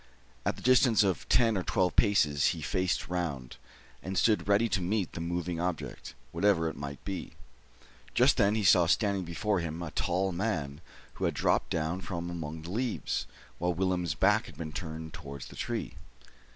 At the distance of ten or twelve paces he faced round, and stood ready to meet the moving object, whatever it might be. Just then he saw standing before him a tall man who had dropped down from among the leaves, while Willem's back had been turned towards the tree.